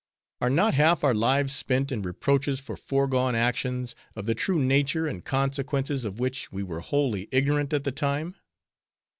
Are not half our lives spent in reproaches for foregone actions, of the true nature and consequences of which, we were wholly ignorant at the time?